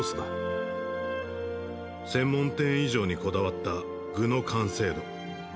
専門店以上にこだわった具の完成度